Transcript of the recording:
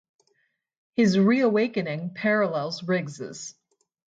His reawakening parallels Riggs'.